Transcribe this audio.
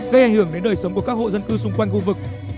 gây ảnh hưởng đến đời sống của các hộ dân cư xung quanh khu vực